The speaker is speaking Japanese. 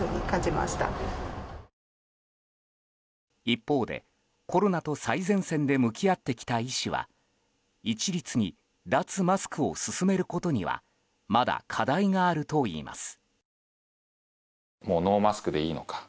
一方で、コロナと最前線で向き合ってきた医師は一律に脱マスクを進めることにはまだ課題があるといいます。